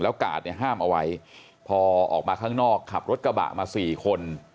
แล้วกาดห้ามเอาไว้พอออกมาข้างนอกขับรถกระบะมา๔คน